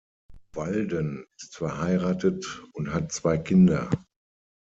Walden ist verheiratet und hat zwei Kinder.